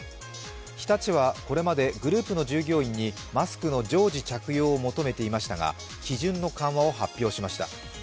日立はこれまでグループの従業員にマスクの常時着用を求めていましたが、基準の緩和を発表しました。